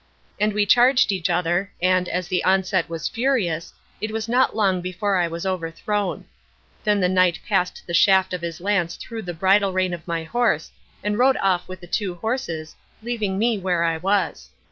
And we charged each other, and, as the onset was furious, it was not long before I was overthrown. Then the knight passed the shaft of his lance through the bridle rein of my horse, and rode off with the two horses, leaving me where I was.